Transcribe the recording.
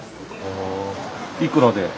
いくらで？